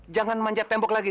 jangan manjat tembok lagi